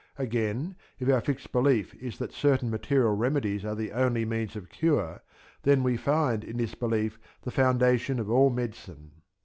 Again, if our fixed belief is that certain material remedies are the only means of cure, then we find in this belief the foundation of all medicine.